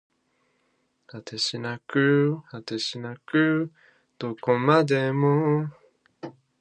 果てしなく果てしなくどこまでも